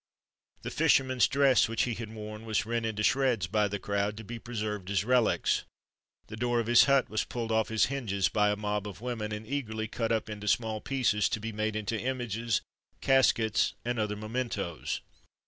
The fisherman's dress which he had worn was rent into shreds by the crowd, to be preserved as relics; the door of his hut was pulled off its hinges by a mob of women, and eagerly cut up into small pieces, to be made into images, caskets, and other mementos.